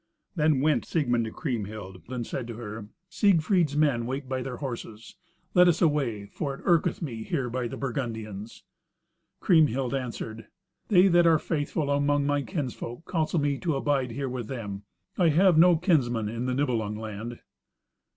Then went Siegmund to Kriemhild, and said to her, "Siegfried's men wait by their horses. Let us away, for it irketh me here by the Burgundians." Kriemhild answered, "They that are faithful among my kinsfolk counsel me to abide here with them. I have no kinsmen in the Nibelung land."